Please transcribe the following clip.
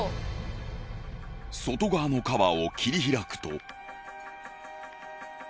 外側のカバーを切り開くと。